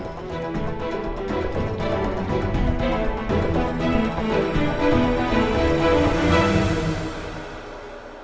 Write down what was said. sắp mầu dân tộc